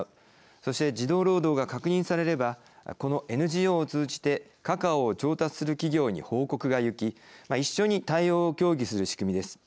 そして児童労働が確認されればこのＮＧＯを通じてカカオを調達する企業に報告がゆき一緒に対応を協議する仕組みです。